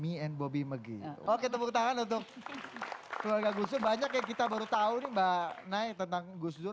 me and bobby mc oke tepuk tangan untuk keluarga gus dur banyak yang kita baru tahu nih mbak nay tentang gus dur